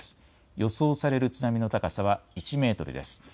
予想される津波の高さは１メートルです。